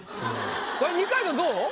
これ二階堂どう？